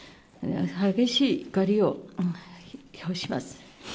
激しい怒りを表します。